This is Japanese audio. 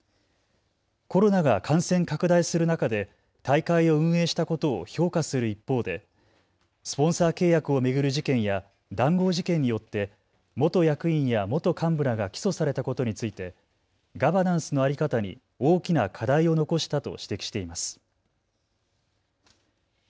コロナが感染拡大する中で大会を運営したことを評価する一方で、スポンサー契約を巡る事件や談合事件によって元役員や元幹部らが起訴されたことについてガバナンスの在り方に大きな課題を残したと指摘しています。